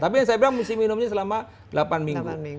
tapi yang saya bilang mesti minumnya selama delapan minggu